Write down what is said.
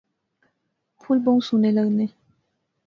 پُھل بہوں سونے لغنے